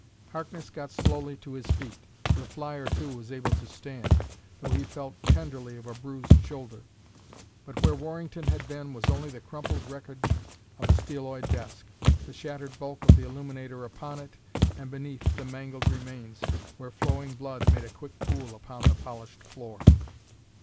Harkness got slowly to his feet. The flyer, too, was able to stand, though he felt tenderly of a bruised shoulder. But where Warrington had been was only the crumpled wreckage of a steeloid desk, the shattered bulk of the illuminator upon it, and, beneath, the mangled remains where flowing blood made a quick pool upon the polished floor.